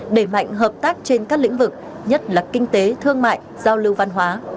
đẩy mạnh hợp tác trên các lĩnh vực nhất là kinh tế thương mại giao lưu văn hóa